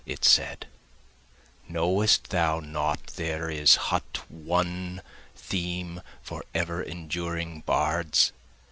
it said, Know'st thou not there is but one theme for ever enduring bards?